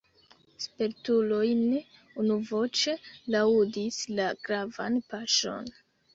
Spertuloj ne unuvoĉe laŭdis la gravan paŝon.